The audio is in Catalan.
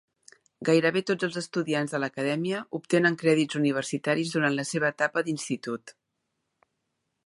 Gairebé tots els estudiants de l'acadèmia obtenen crèdits universitaris durant la seva etapa d'institut.